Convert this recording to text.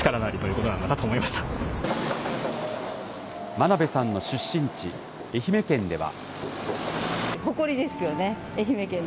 真鍋さんの出身地、愛媛県では。